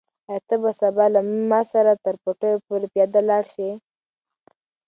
آیا ته به سبا له ما سره تر پټیو پورې پیاده لاړ شې؟